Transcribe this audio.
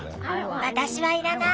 私は要らない。